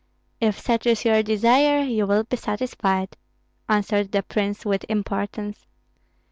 "If such is your desire, you will be satisfied," answered the prince, with importance.